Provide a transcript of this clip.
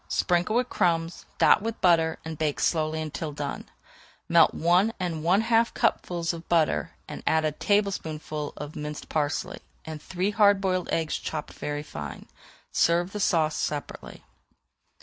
Sprinkle with crumbs, dot with butter, and bake slowly until done. Melt one and one half cupfuls of butter and add a tablespoonful of minced parsley, and three hard boiled eggs chopped very fine. Serve the sauce separately.